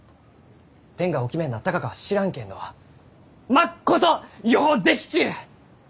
天がお決めになったがかは知らんけんどまっことよう出来ちゅう！